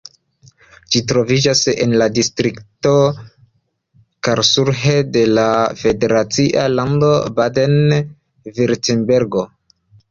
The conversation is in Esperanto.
Ĝi troviĝas en la distrikto Karlsruhe de la federacia lando Baden-Virtembergo.